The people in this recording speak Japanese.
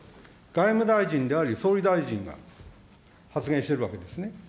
外務大臣であり、総理大臣が発言しているわけですね。